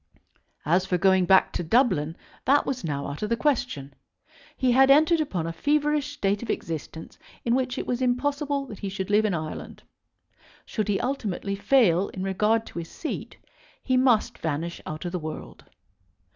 As for going back to Dublin, that was now out of the question. He had entered upon a feverish state of existence in which it was impossible that he should live in Ireland. Should he ultimately fail in regard to his seat he must vanish out of the world.